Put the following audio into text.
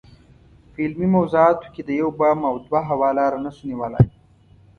په علمي موضوعاتو کې د یو بام او دوه هوا لاره نشو نیولای.